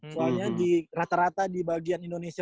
soalnya di rata rata di bagian indonesia